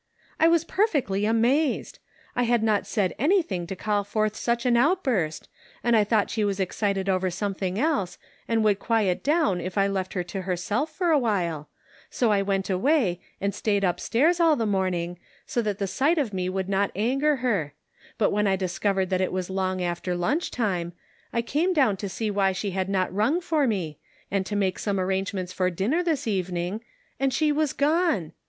I was perfectly amazed ! I had not said anything to call forth such an outburst, and I thought she was excited over something else, and would quiet down if I left her to her* self for awhile, so I went away, and staid up stairs all the morning, so that the sight of me would not anger her ; but when I discovered Serving Christ in the Kitchen. 307 that it was long after lunch time, I came down to see why she had not rung for me, and to make some arrangements for dinner this eve ning and she was gone